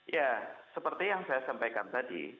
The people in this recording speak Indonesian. ya seperti yang saya sampaikan tadi